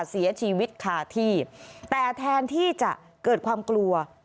เสียชีวิตคาที่แต่แทนที่จะเกิดความกลัว